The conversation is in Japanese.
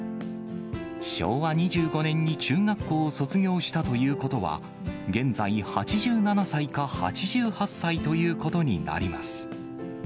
昭和２５年に中学校を卒業したということは、現在、８７歳か８８歳ということになります。